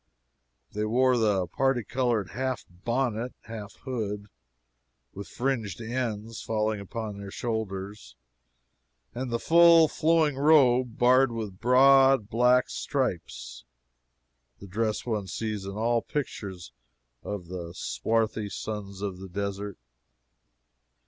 They wore the parti colored half bonnet, half hood, with fringed ends falling upon their shoulders, and the full, flowing robe barred with broad black stripes the dress one sees in all pictures of the swarthy sons of the desert.